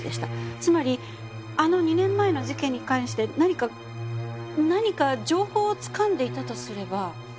つまりあの２年前の事件に関して何か何か情報をつかんでいたとすれば。